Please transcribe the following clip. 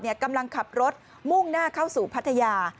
กำลังขับรถมุ่งหน้าเข้าสู่พัทยา